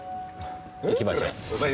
行きましょう。